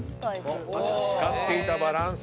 使っていたバランス。